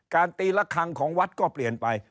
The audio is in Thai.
ตีละครั้งของวัดก็เปลี่ยนไป